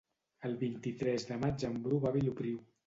El vint-i-tres de maig en Bru va a Vilopriu.